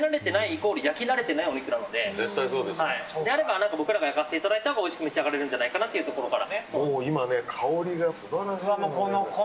だから僕らが焼かせていただいたほうがおいしく召し上がれるんじゃないかというところから。